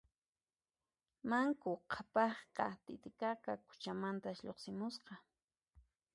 Manku Qhapaqqa Titiqaqa quchamantas lluqsimusqa